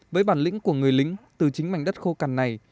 với bản lĩnh của người lính từ chính mảnh đất khô cằn này